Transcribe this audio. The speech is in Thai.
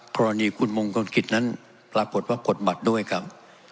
กรณีคุณมงคลกิจนั้นปรากฏว่ากดบัตรด้วยครับ